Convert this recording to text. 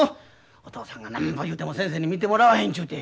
お父さんがなんぼ言うても先生に診てもらわへんちゅうて。